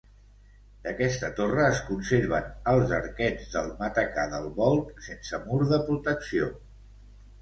D'aquesta torre es conserven els arquets del matacà del volt, sense mur de protecció.